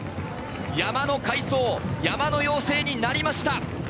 山の快走、山の妖精になりました。